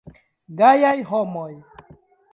Gajaj homoj.